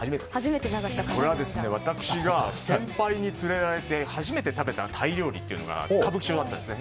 これは、私が先輩に連れられて初めて食べたタイ料理というのが歌舞伎町だったんですね。